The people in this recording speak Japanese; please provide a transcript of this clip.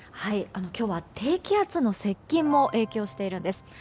今日は低気圧の接近も影響しているんです。